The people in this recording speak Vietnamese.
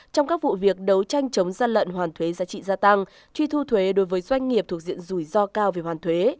trong các vụ việc đấu tranh chống gian lận hoàn thuế giá trị gia tăng truy thu thuế đối với doanh nghiệp thuộc diện rủi ro cao về hoàn thuế